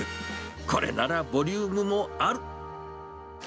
これならボリュームもある。